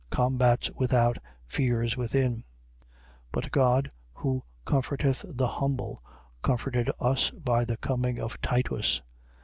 Combats without: fears within. 7:6. But God, who comforteth the humble, comforted us by the coming of Titus.